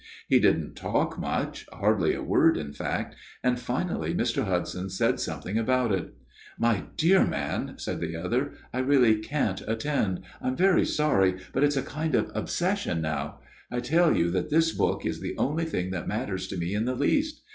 He didn't talk much hardly a word, in fact and finally Mr. Hudson said something about it. "' My dear man/ said the other, ' I really can't attend. I am very sorry ; but it's a kind of obsession now. I tell you that this book is the only thing that matters to me in the least.